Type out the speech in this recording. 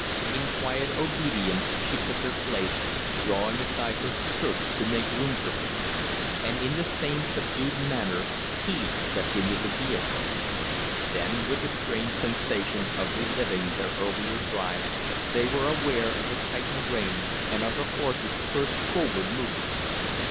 In quiet obedience she took her place, drawing aside her skirts to make room for him; and in the same subdued manner, he stepped into the vehicle. Then, with the strange sensation of reliving their earlier drive, they were aware of the tightened rein and of the horse's first forward movement.